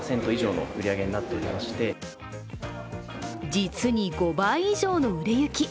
実に５倍以上の売れ行き。